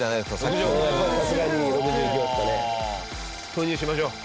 投入しましょう。